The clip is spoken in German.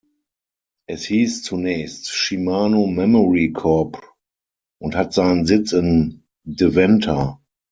Es hieß zunächst "Shimano-Memory Corp" und hat seinen Sitz in Deventer.